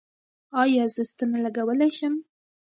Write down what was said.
ایا زه ستنه لګولی شم؟